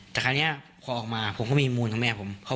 แต่คราวนี้พอออกมาผมก็มีมูลของแม่ผม